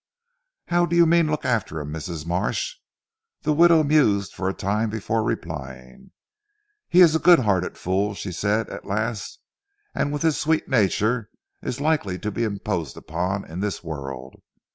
"How do you mean look after him Mrs. Marsh." The widow mused for a time before replying. "He is a good hearted fool," she said at last, "and with his sweet nature is likely to be imposed upon in this world.